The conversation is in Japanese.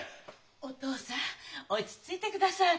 お父さん落ち着いてください。